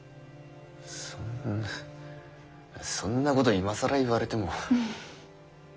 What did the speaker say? そんなそんなこと今更言われても。